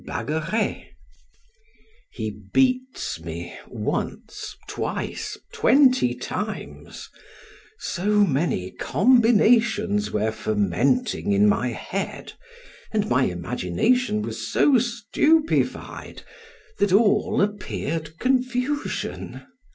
Bagueret: he beats me, once, twice, twenty times; so many combinations were fermenting in my head, and my imagination was so stupefied, that all appeared confusion.